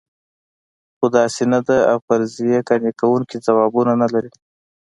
خو داسې نه ده او فرضیې قانع کوونکي ځوابونه نه لري.